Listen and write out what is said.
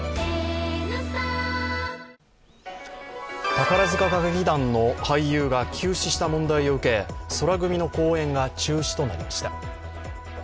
宝塚歌劇団の俳優が急死した問題を受け宙組の公演が中止となりました。